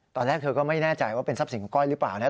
ตอนแรกเธอก็ไม่แน่ใจว่าเป็นทรัพย์สินก้อยหรือเปล่านะ